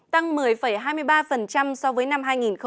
tăng một mươi hai mươi ba so với năm hai nghìn một mươi bảy